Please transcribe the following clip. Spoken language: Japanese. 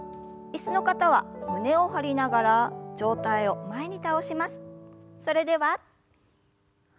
椅子の方は胸を張りながら上体を前に。